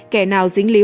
kẻ nào dính líu